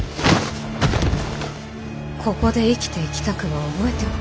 ここで生きていきたくば覚えておけ。